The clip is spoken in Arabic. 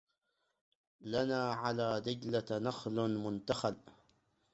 لنا على دجلة نخل منتخل